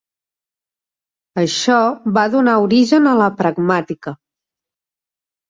Això va donar origen a la pragmàtica.